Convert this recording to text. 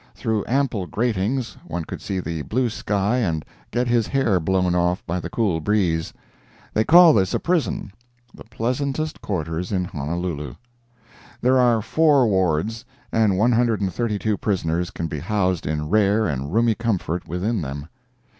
Through ample gratings, one could see the blue sky and get his hair blown off by the cool breeze. They call this a prison—the pleasantest quarters in Honolulu. There are four wards, and one hundred and thirty two prisoners can be housed in rare and roomy comfort within them.